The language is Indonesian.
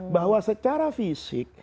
bahwa secara fisik